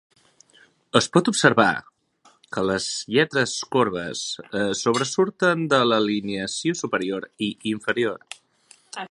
Es pot observar que les lletres corbes sobresurten de l'alineació superior i inferior.